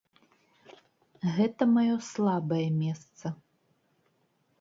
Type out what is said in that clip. Гэта маё слабае месца.